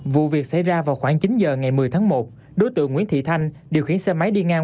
vụ việc xảy ra vào khoảng chín giờ ngày một mươi tháng một đối tượng nguyễn thị thanh điều khiển xe máy đi ngang